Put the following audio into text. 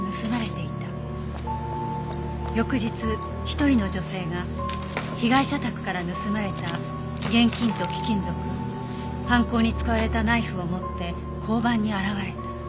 「翌日一人の女性が被害者宅から盗まれた現金と貴金属犯行に使われたナイフを持って交番に現れた」